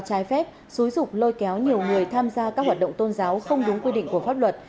trái phép xúi dục lôi kéo nhiều người tham gia các hoạt động tôn giáo không đúng quy định của pháp luật